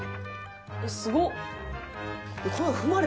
すごっ！